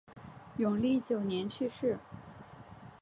永历九年去世。